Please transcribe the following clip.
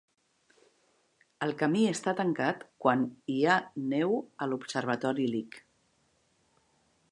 El camí està tancat quan hi ha neu a l'Observatori Lick.